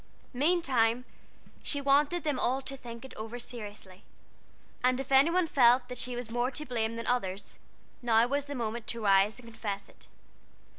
Meantime she wanted them all to think it over seriously; and if any one felt that she was more to blame than the others, now was the moment to rise and confess it.